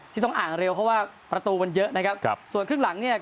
ต้องอ่านเร็วเพราะว่าประตูมันเยอะนะครับครับส่วนครึ่งหลังเนี่ย